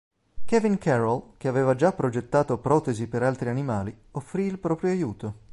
Kevin Carroll, che aveva già progettato protesi per altri animali, offrì il proprio aiuto.